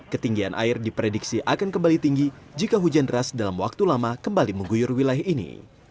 ketinggian air diprediksi akan kembali tinggi jika hujan deras dalam waktu lama kembali mengguyur wilayah ini